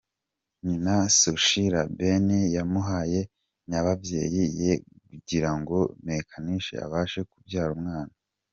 Nyina Sushila Ben yamuhaye nyababyeyi ye kugira ngo Meenakshi abashe kubyara umwana.